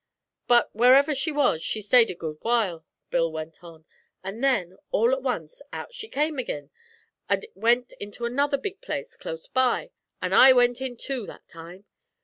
'But wherever she was, she stayed a good while,' Bill went on, 'an' then, all at once, out she come ag'in, an' went into another big place clos' by, an' I went in too that time.